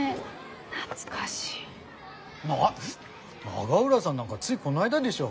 永浦さんなんかついこないだでしょ。